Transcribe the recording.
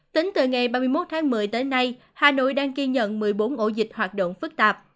tính từ ngày ba mươi một tháng một mươi tới nay hà nội đang ghi nhận một mươi bốn ổ dịch hoạt động phức tạp